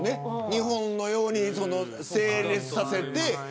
日本のように整列させて。